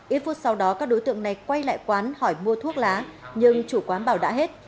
ít phút sau đó các đối tượng này quay lại quán hỏi mua thuốc lá nhưng chủ quán bảo đã hết